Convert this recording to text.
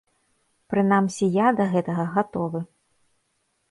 Прынамсі я да гэтага гатовы.